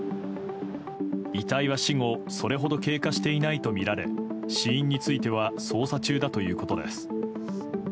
遺体は死後それほど経過していないとみられ死因については捜査中だということです。